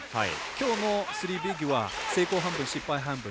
きょうのスリービッグは成功半分、失敗半分。